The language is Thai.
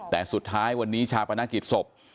แต่สุดท้ายวันนี้ชาปนกิจศพ